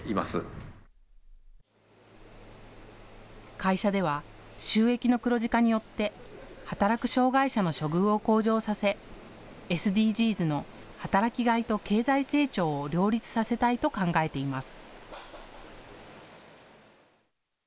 会社では、収益の黒字化によって働く障害者の処遇を向上させＳＤＧｓの働きがいと経済成長を両立させたいと考えています。